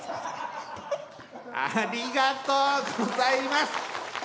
ありがとうございます。